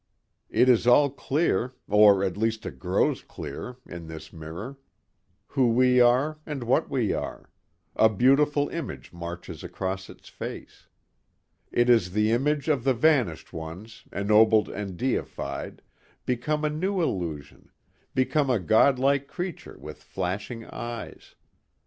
It is all clear or at least it grows clear in this mirror; who we are and what we are.... A beautiful image marches across its face. It is the image of the vanished ones, ennobled and deified become a new illusion, become a God like creature with flashing eyes.